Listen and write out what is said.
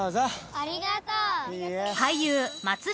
「ありがとう」［俳優］